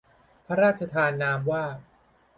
พระราชทานนามว่า